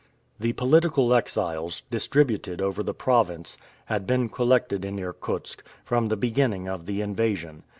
The political exiles, distributed over the province, had been collected in Irkutsk, from the beginning of the invasion.